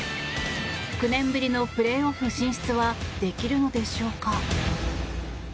９年ぶりのプレーオフ進出はできるのでしょうか。